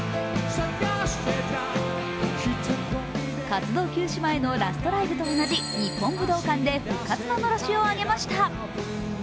活動休止前のラストライブと同じ日本武道館で復活ののろしを上げました。